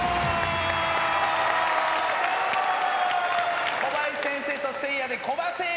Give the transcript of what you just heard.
どうも小林先生とせいやでこばせいやです。